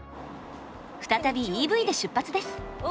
再びＥＶで出発です。